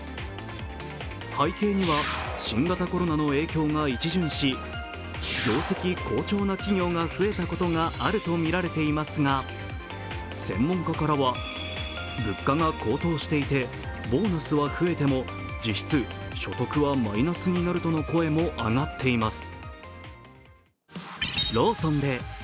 背景には新型コロナの影響が一巡し、業績好調な企業が増えたことがあるとみられていますが専門家からは物価が高騰していてボーナスは増えても実質所得はマイナスになるとの声も上がっています。